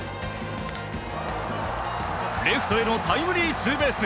レフトへのタイムリーツーベース。